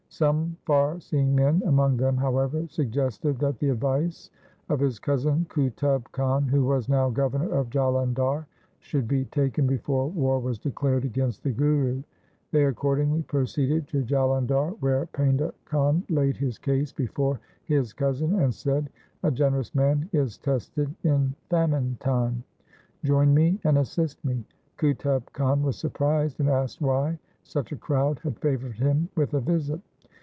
Some far seeing men among them, however, suggested that the advice of his cousin Qutub Khan, who was now governor of Jalandhar, should be taken before war was declared against the Guru. They accordingly proceeded to Jalandhar, where Painda SIKH. IV O i 9 4 THE SIKH RELIGION Khan laid his case before his cousin, and said, ' A generous man is tested in famine time. Join me and assist me.' Qutub Khan was surprised, and asked why such a crowd had favoured him with a visit.